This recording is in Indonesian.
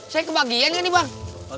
saya kebagian gak nih bang